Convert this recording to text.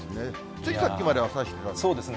ついさっきまでは差してたんですが。